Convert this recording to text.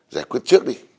giải quyết trước đi